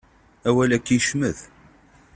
Awal-agi yecmet.